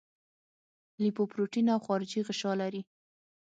لیپوپروټین او خارجي غشا لري.